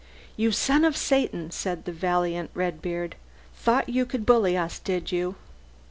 "You son of Satan!" said the valiant Redbeard. "Thought you could bully us, did you?